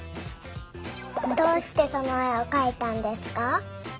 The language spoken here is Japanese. どうしてそのえをかいたんですか？